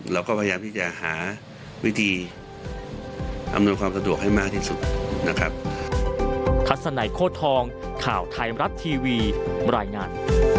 เราก็พยายามที่จะหาวิธีอำนวยความสะดวกให้มากที่สุดนะครับ